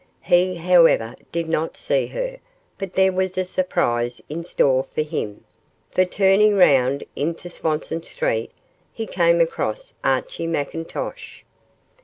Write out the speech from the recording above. He, however, did not see her, but there was a surprise in store for him, for turning round into Swanston Street, he came across Archie McIntosh.